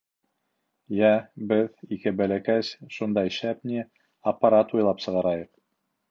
— Йә, беҙ, ике бәләкәс, шундай шәп, ни, аппарат уйлап сығарайыҡ!